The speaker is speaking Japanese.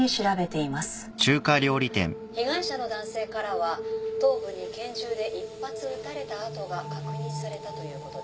被害者の男性からは頭部に拳銃で１発撃たれた痕が確認されたということです。